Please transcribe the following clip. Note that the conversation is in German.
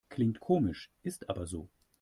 Klingt komisch, ist aber so.